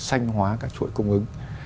sanh hóa các chuỗi cung ứng